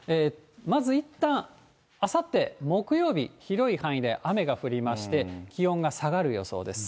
まずいったん、あさって木曜日、広い範囲で雨が降りまして、気温が下がる予想です。